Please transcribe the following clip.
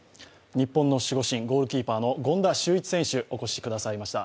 日本の守護神、ゴールキーパーの権田修一選手、お越しくださいました。